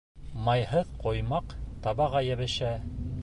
Майһыҙ ҡоймаҡ табаға йәбешә.